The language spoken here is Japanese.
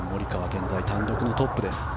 現在、単独トップです。